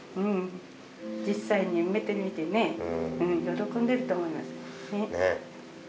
実際に見てみてね喜んでると思います。